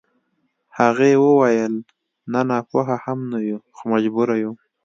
هغې وويل نه ناپوهه هم نه يو خو مجبور يو.